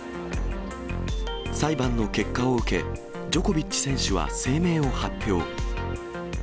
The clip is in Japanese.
裁判の結果を受け、ジョコビッチ選手は声明を発表。